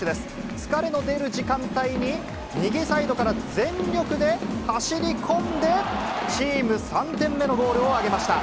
疲れの出る時間帯に、右サイドから全力で走り込んで、チーム３点目のゴールを挙げました。